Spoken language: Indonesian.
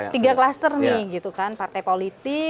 tiga klaster nih gitu kan partai politik